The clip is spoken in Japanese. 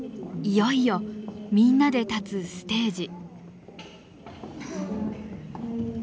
いよいよみんなで立つステージ。